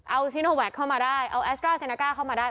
เอาซิโนแวคเข้ามาได้เอาแอสตราเซนาก้าเข้ามาได้